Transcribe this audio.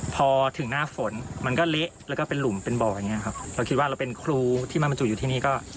พอถึงหน้าฝนมันก็เละแล้วก็เป็นหลุมเป็นบ่ออย่างเงี้ครับเราคิดว่าเราเป็นครูที่มาบรรจุอยู่ที่นี่ก็